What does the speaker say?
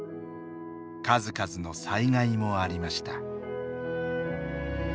数々の災害もありました。